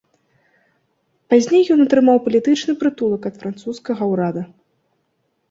Пазней ён атрымаў палітычны прытулак ад французскага ўрада.